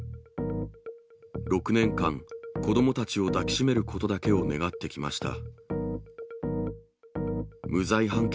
６年間、子どもたちを抱きしめることだけを願ってきました。